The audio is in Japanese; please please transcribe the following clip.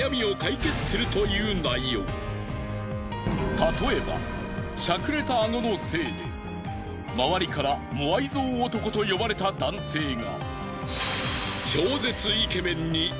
例えばシャクレた顎のせいで周りからモアイ像男と呼ばれた男性が。